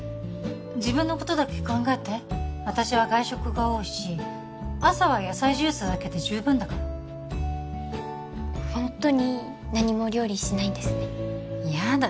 自分のことだけ考えて私は外食が多いし朝は野菜ジュースだけで十分だからホントに何も料理しないんですねやだ